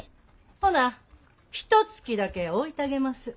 ほなひとつきだけ置いたげます。